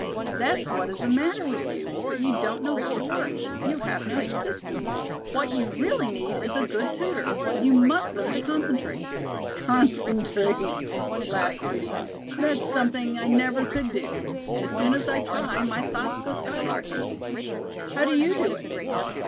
That's what is the matter with you, but you don't know how to work. You have no system. What you really need is a good tutor. You must learn to concentrate " "Concentrate," laughed Judy. "That's something I never could do. As soon as I try my thoughts go skylarking." "How do you do it?"